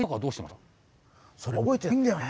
それが覚えてないんだよね。